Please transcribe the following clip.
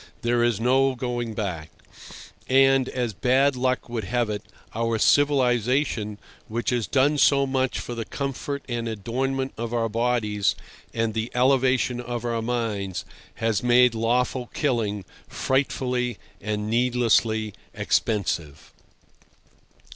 There is no going back; and, as bad luck would have it, our civilization, which has done so much for the comfort and adornment of our bodies and the elevation of our minds, has made lawful killing frightfully and needlessly expensive.